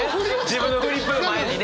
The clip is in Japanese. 自分のフリップ前にね。